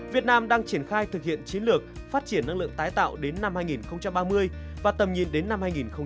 việt nam đang triển khai thực hiện chiến lược phát triển năng lượng tái tạo đến năm hai nghìn ba mươi và tầm nhìn đến năm hai nghìn bốn mươi năm